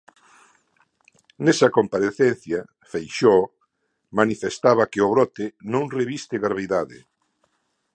Nesa comparecencia, Feixóo manifestaba que o brote "non reviste gravidade".